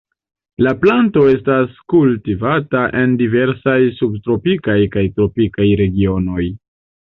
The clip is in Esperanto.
La planto estas kultivata en diversaj subtropikaj kaj tropikaj regionoj.